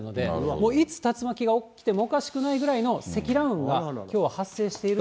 もういつ竜巻が起きてもおかしくないぐらいの積乱雲がきょうは発生していると。